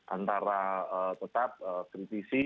antara tetap kritisi